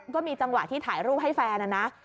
ก็มีจังหวะที่ถ่ายรูปให้แฟนนะ